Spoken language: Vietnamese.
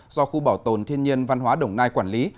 do khu bảo tồn thiên nhiên văn hóa đồng nai quản lý